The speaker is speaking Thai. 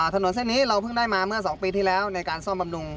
ถนนเส้นนี้เราเพิ่งได้มาเมื่อ๒ปีที่แล้วในการซ่อมบำรุง